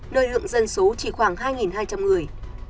nơi lượng dân số chỉ khoảng hai hai trăm linh người